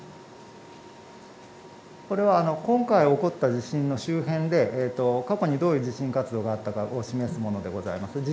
これは今回起こった地震の周辺で、過去にどういう地震活動があったかを示すものでございます。